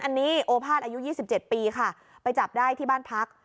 อันนี้โอภาษณ์อายุยี่สิบเจ็ดปีค่ะไปจับได้ที่บ้านพัก